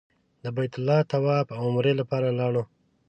د بیت الله طواف او عمرې لپاره لاړو.